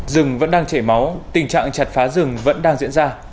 rừng vẫn đang chảy máu tình trạng chặt phá rừng vẫn đang diễn ra